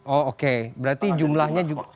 oh oke berarti jumlahnya juga